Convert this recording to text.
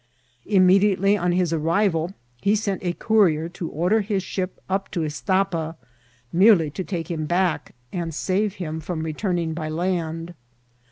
Immediately on his arrival he sent a courier to order his ship up to Istapa, merely to take him back, and save him firom re turning by land.